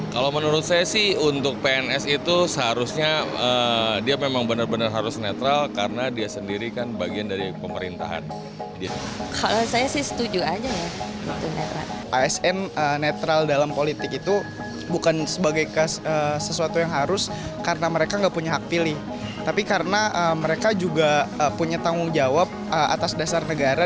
karena mereka juga punya tanggung jawab atas dasar negara